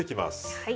はい。